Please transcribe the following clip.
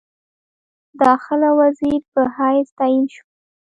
داخله وزیر په حیث تعین شول.